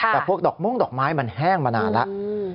แต่พวกดอกมุ้งดอกไม้มันแห้งมานานแล้ว